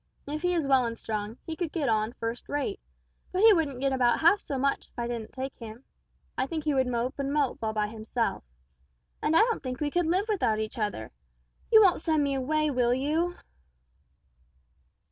If he was well and strong, he could get on first rate, but he wouldn't get about half so much if I didn't take him. I think he would mope and mope all by himself. And I don't think we could live without each other. You won't send me away, will you?"